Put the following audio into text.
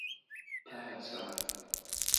paca